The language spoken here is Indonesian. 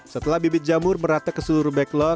setelah bibit jamur merata ke seluruh backlone